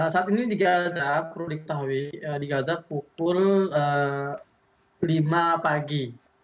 saat ini di gaza perlu diketahui di gaza pukul lima pagi